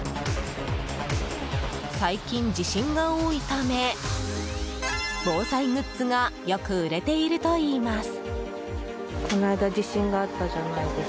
最近、地震が多いため防災グッズがよく売れているといいます。